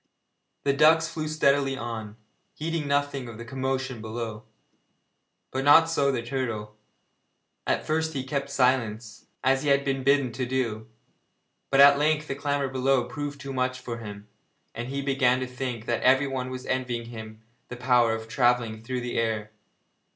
The ducks flew steadily on, heeding nothing of the commotion below; but not so the turtle. At first he kept silence, as he had been bidden to do, but at length the clamour below proved too much for him, and he began to think that everyone was envying him the power of travelling through the air.